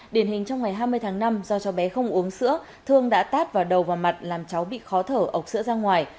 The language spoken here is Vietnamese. điển hình trong ngày hai mươi tháng năm do cho bé không uống sữa thương đã tát vào đầu vào mặt làm cháu bị khó thở ốc sữa ra ngoài